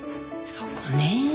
そこねえ。